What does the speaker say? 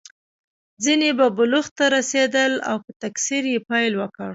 ځینې به بلوغ ته رسېدل او په تکثر یې پیل وکړ.